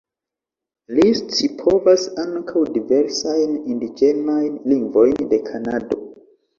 Li scipovas ankaŭ diversajn indiĝenajn lingvojn de Kanado.